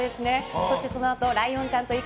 そしてそのあとライオンちゃんと行く！